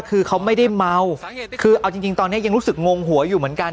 คือเขาไม่ได้เมาคือเอาจริงตอนนี้ยังรู้สึกงงหัวอยู่เหมือนกัน